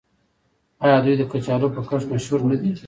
آیا دوی د کچالو په کښت مشهور نه دي؟